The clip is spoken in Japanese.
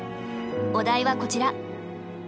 お題はこちら。